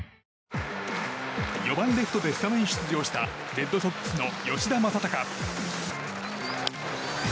４番レフトでスタメン出場したレッドソックスの吉田正尚。